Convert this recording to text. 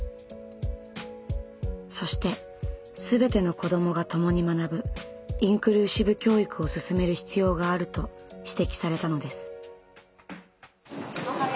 そして全ての子どもが共に学ぶ「インクルーシブ教育」を進める必要があると指摘されたのです。